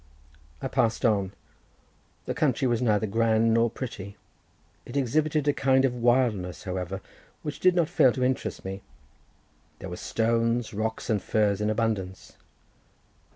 I passed on; the country was neither grand nor pretty—it exhibited a kind of wildness, however, which did not fail to interest me—there were stones, rocks, and furze in abundance.